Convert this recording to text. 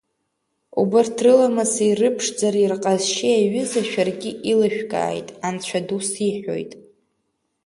Убырҭ рыламыси, рыԥшӡареи, рҟазшьеи аҩыза шәаргьы илышәкааит, анцәа ду сиҳәоит!